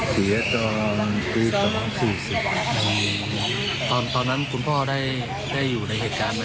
พี่สาวจะให้อยู่วัฒนศิกร์๗วัน